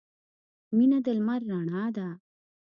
• مینه د لمر رڼا ده.